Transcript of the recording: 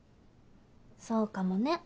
そうかもね。